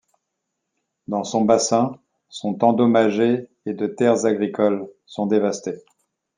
Dans son bassin, sont endommagées et de terres agricoles sont dévastés.